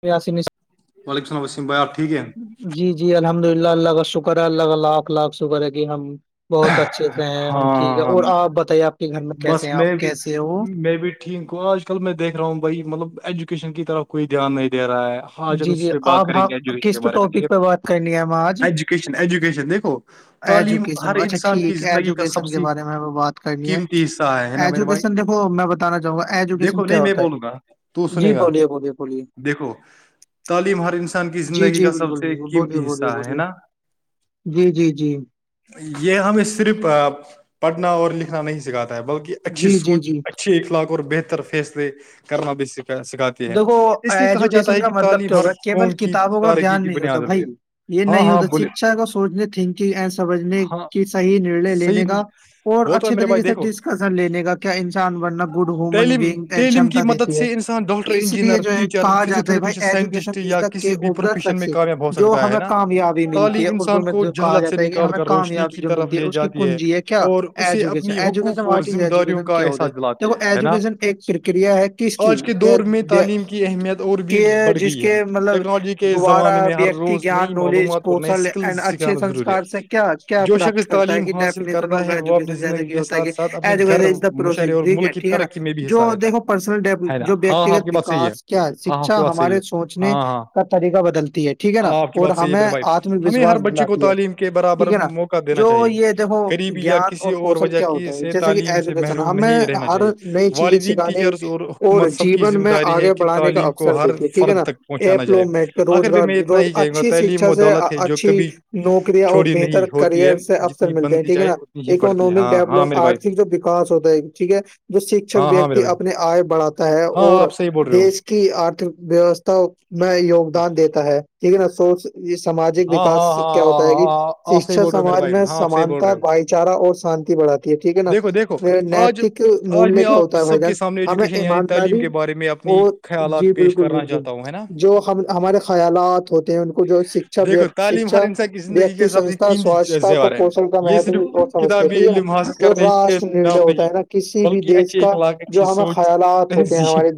پیاسی وعلیکم اللام وم بائی اور ٹھیک ہے جی جی الحمد اللہ اللہ کا شکر ہے اللہ کا الاک الھ شکر ہے کہ ہم بہت اچھے سے ہیں ہم ٹھیک ہے اور آپ بتائیے آپ کے گھر میں کیسے ہیں آپ کیسے ہیں وہ ٹھیک کو آج کل میں دیک رہا ہوں بھائی مطلب ایجوکیشن کی طرف کوئی دھیان نہیں دے رہا ہے آ ج ہم اس پ بات کریں گے ایجوکیشن کے بارے میں ٹھیک ہے ایجوکیشن ایجوکیشن دیکھو ایجوکیش اچھا ٹھیک ہے ایجوکیشن کے بارے میں ہم بات کرنی ہے ایجوکیشن دیکو میں بتا نا چاہوں گا ایجوکیشن کیا ہوتا ہے جی بولیے بولیے بولیے دیکھو تعلیم ہر انسان کی زندگی کا سب سے ایک قیمتی حصہ ہے ہے نا جی جی جی یہ ہمیں صرف پڑھنا اور لکھنا نہیں سکھاتا ہے بلکہ اچھی سوچ اچھے اخلاق اور بہتر فیصلے کرنا بھیا سکھاتے دیکھو ایجوکیشن کا مطلب کیا ہوگا کیول کتابوں کا گان نہیں ہوتا بھائی یہ نہیں ہوتا شکچھا کا سوچنے تھنک سمجھنے کی صحی نر لے لینے کا اور اچھے طریقے سے ڈسکشن لینے کا کیا انسان بننا گڈ ہوومن بگ چمتا دیتی ہے اس لیے جو ہے کہا جاتا ہے بھائی education is the key of the success جو ہمیں کامیابی ملتی ہے اردو میں جو کہا جاتا ہے کہ ہمیں کامیابی جو ملتی ہے اس کی کنجی ہے کیا education education what is education کیا ہوتا ہے دیکھو ایجوکیشن ایک پرکریا ہے کس کی کہ جس کے مطلب دوبارہ ویکتی گیان نالج کوشل اینڈ اچھے سنسکار سے کیا کیا پراپت کرتا ہے کہ ڈیفشن آف ایجوکیشن جیسے کہ ہوتا ہے کہ ایجوکشن اس پروسیز ٹھیک ہے ٹھیک ہے نا جو دیکھو پرسنل ڈیب جو ویکتیگت وکاس کیا ہے شکشا ہمارے سوچ میں کیا طریقہ بدلتی ہے ٹھیک ہے نا اور ہمیں آتم وشواس دلاتی ہے ٹھیک ہے نا جو یہ دیکھو گیان اور کوشل کیا ہوتا ہے جیسے کہ ایجوکیشن ہمیں ہر نئی چیزیں سکھانے اور جیون میں آگے بڑھانے کا اوسر دیتی ہے ٹھیک ہے نا ایپلو میٹ کے روزگار اچھی شیکشا سے اچھی نوکریاں اور بہتر کرئر سے اوثر ملتے ہیں ٹھیک ہے نا اکنامک ڈیولپ آرٹ جو وکاس ہوتا ہے ٹھیک ہے جو شکشت ویکتی اپنے آئے بڑھاتا ہے ہے اور دیش کی آرتھک ویوستھا میں یوگدان دیتا ہے ٹھیک ہے نا سوچ یہ ساماجک وکاس کیا ہوتا ہے کہ شکشا سماج میں سمانتا بھائی چارہ اور شانتی بڑھاتی ٹھیک ہے نا نیتک مولیہ کیا ہوتا ہے بھائی جان ہمیں ایمانداری اور جی بالکل بالکل جو ہم ہمارے خیالات ہوتے ہیں ان کو جو س شکشا ویکتی سنستھا سواستھا کو پوشںن کا مہتو سمجھتے ٹھیک ہے نا جو راشٹریہ نیرنی ہوتا ہے نا کسی بھی دیش کا جو ہمیں خیالات ہوتے ہیں ہمارے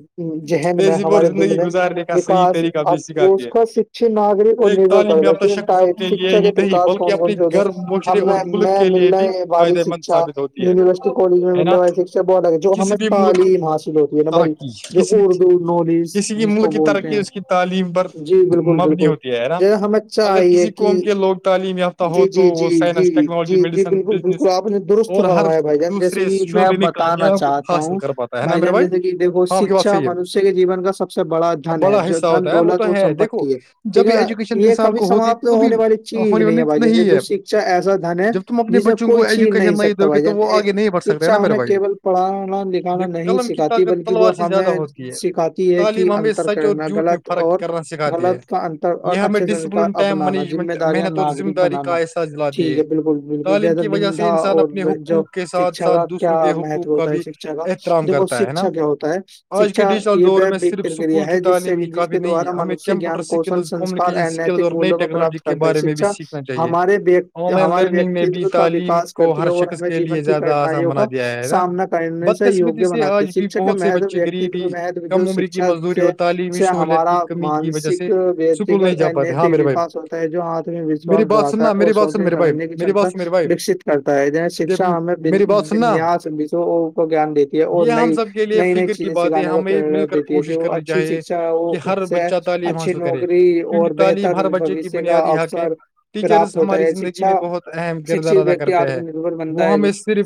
ذہن میں ہمارے دل میں بکاس اس کا اچھے ناگرک اور نربھر پائے جاتے ہے شکشا کے پرکار کون کون سے ہوتے ہیں ہم مے میں ملنے والی شکشا یونیورسٹی کالج میں ملنے وال سے ہے الگ جو ہمیں تعلیم حاصل ہوتی ہے نا بھائی جو اردو نولس جس کو بولتے ہیں جی بالکل بالکل جیسے ہمیں اچھا آئی ہے کہ جی جی جی جی جی جی بالکل آپ نے درست فرمایا ہے بھائی جان جیسے کہ میں بتانا چاہتا ہوں بھائی جان جیسے کہ دیکو شکشا منوشیہ کے جیون کا سب سے بڑا دھن ہے جو دھن دولت اور سمپتی ہے جب بھی ایجوکیشن انسان کو ہوتی تبھی ہونی ہونی نہیں ہے جب تم اپنے بچوں کو ایجوکیشن نہیں تو کہ تو وہ آگے نہیں بڑھ سکتے نا میرے بھائی دیکھ قلم کی طاقت تلوار سے زیادہ ہوتی ہے تعلیم ہمیں سچ اور جھوٹ میں فرق کرنا سکھاتی ہے یہ ہمیں ڈسپلن ٹائم مینجمنٹ محنت اور ذمہ داری کا احساس دلاتی ہے تعلیم کی وجہ سے انسان اپنے حقوق کے ساتھ ساتھ دوسروں کے حقوق کا بھی احترام کرتا ہے نا آج کے ڈیجیٹل دور میں صرف اسکول کی تعلیم ہی کافی نہیں ہمیں کمپوٹر سکلز کمیونیکیشن اسکلز اور نئی ٹیکنالوجی کے بارے میں بھی سیکھنا چاہیے آن لائن لرننگ میں بھی تعلیم کو ہر شخص کے لیے زیادہ آسان بنا دیا ہے نا پر بد قسمتی سے آج بھی بہت سے بچے غریبی کم عمر کی مزدوری اور تعلیمی سہولت کی کمی کی وجہ سے [unintelligible] [inaudible] پریکٹیکل نتک وکاس ہوتا ہے جو آتم وشواس بڑاتا ہے اور سوچنے سمجھنے کی شمتا وکس کرتا ہے شکشا ہمیں ونیاز بھیو کو جان دیتی ہے اور نئی نئی نئی چیزیں سکھانے کو پرا دیتی ہے جو اچھی شکھا ہے وہ اس سے تعلیم حاصل کرے اور بہتر بوشیہ کا افسر پراپت ہوتا ہے شکھا شکشت ویکتی آتم نربر بنتا ہے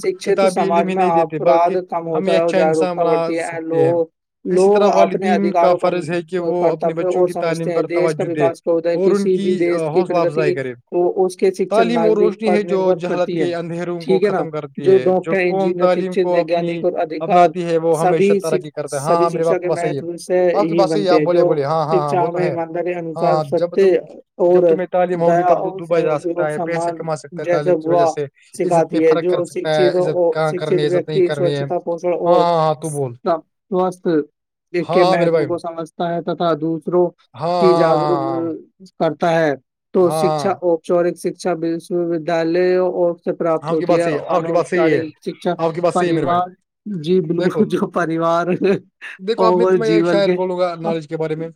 شکشت سماج میں اپرھ کم ہوتا ہے اور جاگروکتا بڑھتی ہے لوگوں لوگ اپنے ادھیکاروں کا کرتبیہ اور سمجھتے ہیں دی کا وکاس ہوتا ہے کسی بھی دیش کی پرگتی وہ اس کے شکن ناگرک پٹ ورک کرتی ہے ٹھیک ہے نا جو ڈاکٹر انجینئر ش وجانک اور ادھار سبھی سبھی شکھا کے مہتو ہی بنتے ہیں جو شکھا ہمیں انسار ستتے اور دیا اور س سمان جیسے با سکھاتی ہے جو شک شکت ویکتی سوچھتا پشل اور سوستھ ایک کے مہتو کو سمجھتا ہے تتا دوسروں کی جاگرگروک [unintelligible] کرتا ہے تو شکھاپچارک شکھا ودل [unintelligible] سے پراپت ہوتی ہے انوار شکھا پریوار جی بالکل جو پریوار اور جیول کے نالج کے بارے میں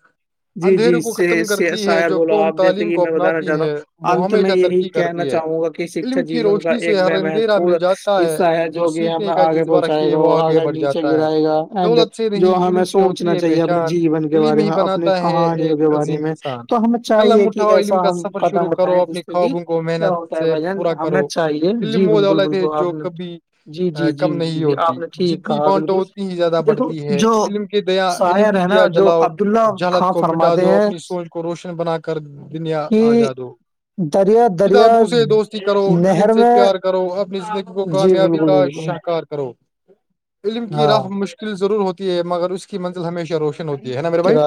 جی جی سے سے شعر بولو آپ جیسے کہ میں بتانا چاہتا ہوں انت میں یہی کہنا چاہوں گا کہ شکھا جیون کا ایک ب مہتو پورن حصہ ہے جو کہ یہ آگے پہنچائے گا وہ آگے نیچے گرائے گا اینڈ جو ہمیں سوچنا چاہیے اپنے جیون کے بارے میں اپنی کہانیوں کے بارے میں تو ہمیں چاہیے کہ ایسا ہم قدم اٹھائیں کیونکہ کیا ہوتا ہے بھائی جان ہمیں چاہیے د مز تھے جو کبھی کم نہیں ہوتی جتنی بانٹ ہو اتنی ہی زیادہ بڑھتی ہے علم کے دیا علم کی دیا جلاؤ جہلد کو مٹا دو اپنی سوچ کو روشن بنا کر دنیا آ جا دو کتاب مہ سے دوستی کرو علم سے پیار کرو اپنی زندگی کو کامیابی کا شہکار کرو علم کی رف مشکل ضرور ہوتی ہے مگر اس کی منزل ہمیشہ روشن ہوتی ہے نا میرے بھائی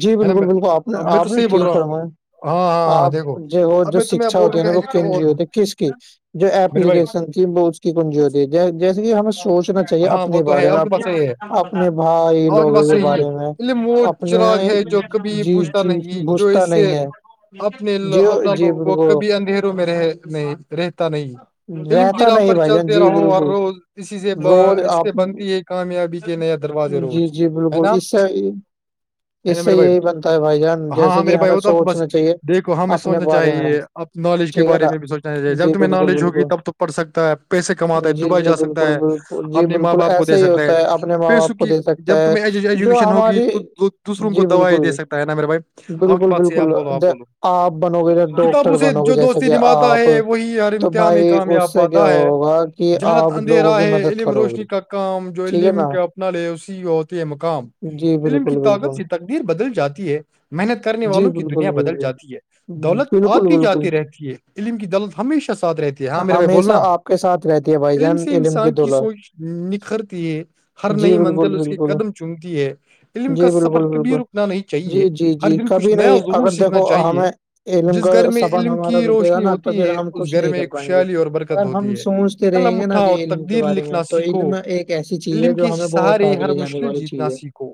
جی بالکل بالکل آپ نے آپ نے ٹھیک فرمایا آپ جو وہ جو شکھا ہوتی ہے نا وہ کینری ہوتی کس کی جو یکیشن تھی وہ اس کی کنجی ہوتی جیسے کہ ہمیں سوچنا چاہیے اپنے بارے میں اپنے بھائی لوگوں کے بارے میں اپنے جی جی بوجھتا نہیں ہے اپنے اپنا لو وہ کبھی اندھیروں میں رہ نہیں رہتا نہیں فلم کی راہ پر چلتے رہو ہر روز اسی سے سے بنتی ہے کامیابی کے نیا دروازے روز ہے نا ہے نا میرے بھائی ہاں ہاں میرے بھائی وہ تو آپ کو بس دیکھو ہمیں سوچنا چاہیے ا نالج کے بارے میں بھی سوچنا چاہیے جب تمہیں نالج تب تو پڑھ سکتا ہے پیسے کماتا ہے دبائی جا سکتا ہے اپنے ماں باپ کو دے سکتا ہے پیسک کہ جب تمہیں ایجوکیشن ہوگی تو دوسروں کو دوائیے ستا ہے نامر بھائی آپ کی بات سےاہی آپ بولو آپ بولو کتاب اس سے جو دوستی نماتا ہے وہی یار ہمیں کامیاب پاتا ہے جالت اندھیرا ہے علم روشنی کا کام جو علم کا نے اسی وہ ت مقام علم کی طاقت سے تقدیر بدل جاتی ہے محنت کرنے والوں کی دنیا بدل جاتی ہے دولت آتی جاتی رہتی ہے علم کی دولت ہمیشہ ساتھ رہتی ہاں میرے بھائی بولنا علم سے انسان کی سوچ نکھرتی ہے ہر نئی منزل اس کے قدم چومتی ہے علم کا سفر کبھی رکنا نہیں چاہیے ہر دن کچھ نیا ضرور سیکھنا چاہیے جس گھر میں علم کی روشنی ہوتی ہے اس گھر میں خوشیالی اور برکت ہوتی ہے کلم اٹھا اور تقدیر لکھنا سکھو علم کے سہارے ہر مشکل جیتناا سھو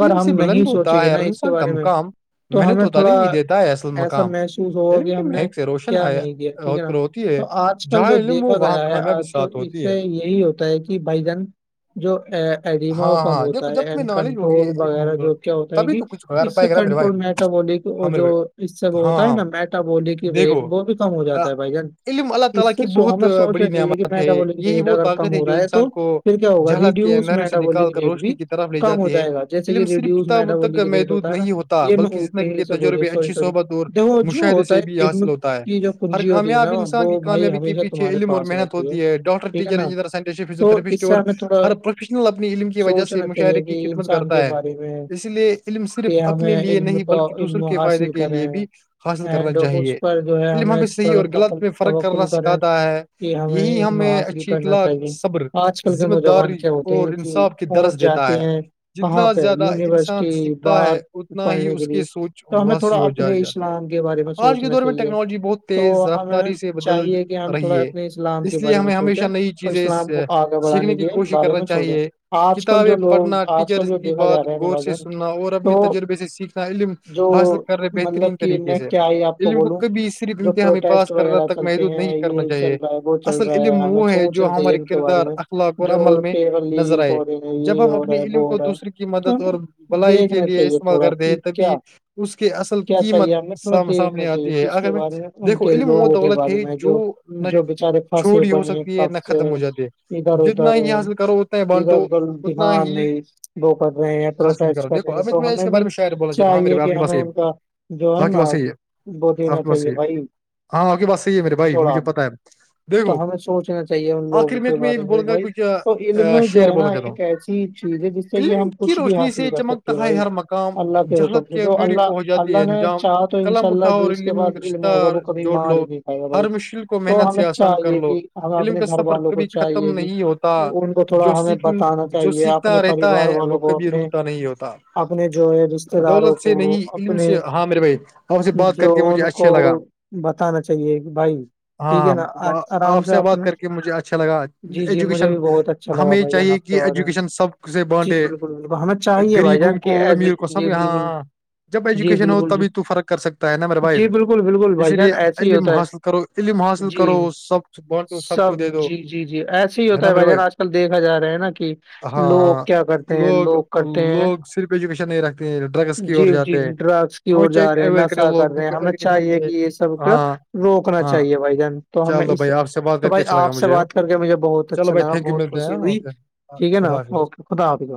علم سے بلند ہوتا ہے ہر انسان کام کام میں نے تو تعلیم یہ دیتا ہے اصل مقام ععم کی مہک سے روشن روتی ہے تو آج کل جو دیکھا گیا ہے آج تو اس سے یہی ہوتا ہے کہ بھائی جان جو ایڈیما وہ کم ہوتا ہے این کنٹرول وغیرہ جو کیا ہوتا ہے کہ اس سے کنٹرول میٹ بولی وہ جو اس سے وہ ہوتا ہے نا میٹ بولی کی ریٹ وہ بھی کم ہو جاتا بائی جان اس سے ہمیں سوچنا چاہیے کہ پیٹا بول ریٹ اگر کم ہو رہا ہے تو پھر کیا ہوگا ریڈیوز میٹبلی ریٹ بھی کم ہو جائے گا جیسے کہ ریڈیوز میٹ بلی کا ریٹ ہوتا ہے نا یہ میں انگلش سے بول سوری سوری د جو ہوتا ہے جو کنجی ہوتی ہے نااں کی کامیابی کےیچھے علم اور محنت ہوتی ہے ڈاکٹر ٹیچر انجر سائیو اور ہر پروس یل اپنی علم کی وجہ سے مشاعرے کی خدمت کرتا ہے اس لیے علم صرف اپنے لیے نہیں بلکہ دوسروں کے فائدے کے لیے بھی حاصل کرنا چاہیے علم ہم پ صحیح اور غلط میں فرق کرنا سکھاتا ہے یہی ہمیں اچھی اخلاق صبر ذمہ داری اور انصاف کی درس دیتا ہے جتنا زیادہ انسان سیکھتا ہے اتنا ہی اس کی سوچ وسی ہو جا جاتی ہے آج کے دور میں ٹیکنالجی بہت تیز رفتاری سے بدل رہی ہے اس لیے ہمیں ہمیشہ نئی چیزیں سیکھنے کی کوشش کرنا چاہیے کتابیں پڑھنا ٹیچر کی بات غور سے سننا اور اپنے تجربے سے سیکھنا علم حاصل کر رہے بہترین طریقے سے علم کو کبھی صرف انمتہا میں پاس کر رہا تک میں نہیں کرنا چاہیے اصل علم وہ ہے جو ہمارے کردار اخلاق اور عمل میں نظر آئے جب ہم اپنی علم کو دوسرے کی مدد اور بلائی کے لیے استعمال کرتے ہیں تبھی اس کی اصل قیمت سامنے آتی ہے اگر میں دیکھو اتلی مت دولت ہے جو نہ چھوڑی ہو سکتی ہے نہ ختم ہو جاتی ہے جتنا ہی حاصل کرو اتنا ہی بانٹو اتنا ہی کہاں کرا دھو اب میں اس کے بارے میں شاید بولنا چاہ ہاں میرے باپ کی بسی ہے ہاں کی بسحی ہے ب دینا چاہیے بھائی ہاں آگے بات صحیح ہے میرے بھائی مجھے پتا ہے دیکھو آخر میں تمہیں یہ بھی بولوں گا کچھ شیر بولا چاہتاا ہوں ل ان کی روشنی سے چمک ہر مقام جہالت کی اندوری کو ہو جاتی ہے انجام قلم اٹھاؤ اور ر رشتہ جوڑ لو ہر مشکل کے محنت سے آسان کر لو علم کا سفر کبھی ختم نہیں ہوتا جو سیکھ جو سیکھتا رہتا ہے وہ کبھی رکتا نہیں ہوتا دولت سے نہیں علم سے ہاں میرے بھائی آپ سے بات جو ان کو بتانا چاہیے کہ بھائی ہاں ہاں آپ سے بات کر کے مجھے اچھا لگا ایجوکیشن ہمیں چاہیے کہ ایجوکیشن سب سے بانٹے غریبوں کو امیر سب ہاں جب ایجوکیشن ہو تبھی تو فرق کر سکتا ہے نمبر بائی اسی لیے ا م جی سب جی جی جی ایسے ہی ہوتا ہے بھائی جان آج کل دیکھا جا رہا ہے نا کہ لوگ کیا کرتے ہیں لوگ کرتے ہیں جی جی انٹراکس کی اور جا رہے ہیں ن ایسا کر رہے ہیں ہمیں چاہیے کہ یہ سب کا روکنا چاہ چاہیے بھائی جان تو ہم اس تو بھائی آپ سے بات کر کے مجھے بہت اچھا لگا بہت خوشی ہوئی خدا اوکے خدا حافظ